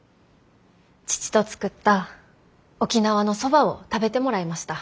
父と作った沖縄のそばを食べてもらいました。